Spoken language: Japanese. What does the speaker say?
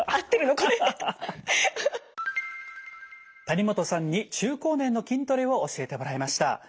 谷本さんに中高年の筋トレを教えてもらいました。